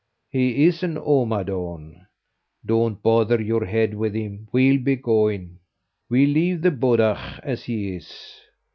"He is an omadawn." "Don't bother your head with him; we'll be going." "We'll leave the bodach as he is."